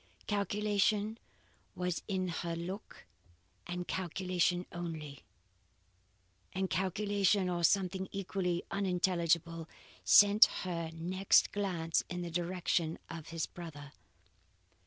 Calculation was in her look and calculation only; and calculation, or something equally unintelligible, sent her next glance in the direction of his brother.